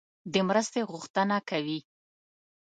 د مرستې غوښتنه کوي.